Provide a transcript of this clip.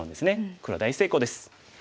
黒は大成功です。